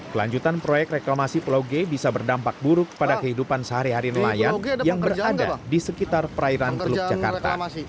kelanjutan proyek reklamasi pulau g bisa berdampak buruk pada kehidupan sehari hari nelayan yang berada di sekitar perairan teluk jakarta